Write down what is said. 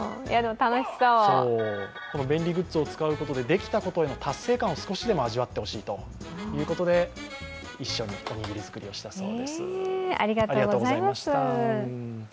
便利グッズを使うことでできたことへの達成感を少しでも味わってほしいということで一緒におにぎりづくりをしたそうです、ありがとうございました。